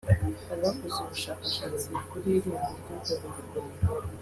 Abakoze ubushakashatsi kuri irembo ry’ubwo buvumo